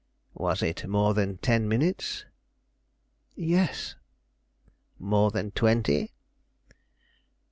"Was it more than ten minutes?" "Yes." "More than twenty?"